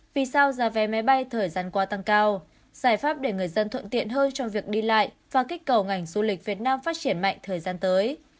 vì sao giá vé máy bay thời gian qua tăng cao giải pháp để người dân thuận tiện hơn trong việc đi lại và kích cầu ngành du lịch việt nam phát triển mạnh thời gian tới